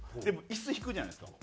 椅子引くじゃないですか。